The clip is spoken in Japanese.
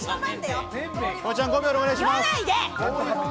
フワちゃん、５秒でお願いします。